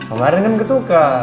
awalnya gak mau ketuker